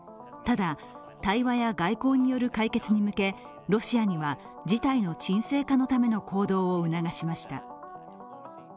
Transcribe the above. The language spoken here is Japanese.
ただ、対話や外交による解決に向けロシアには事態の沈静化のための行動を促しました。